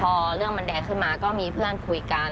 พอเรื่องมันแดงขึ้นมาก็มีเพื่อนคุยกัน